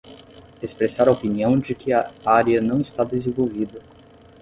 Expressar a opinião de que a área não está desenvolvida